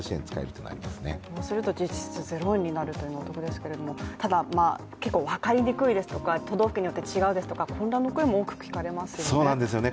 そうすると実質０円になるというのはお得ですけれどもただ結構わかりにくいとか都道府県によって違うですとか混乱の声も多く聞かれますよね。